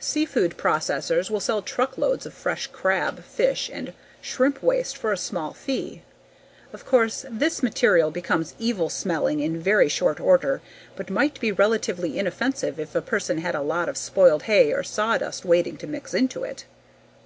Seafood processors will sell truckloads of fresh crab, fish and shrimp waste for a small fee. Of course, this material becomes evil smelling in very short order but might be relatively inoffensive if a person had a lot of spoiled hay or sawdust waiting to mix into it.